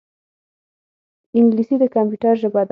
انګلیسي د کمپیوټر ژبه ده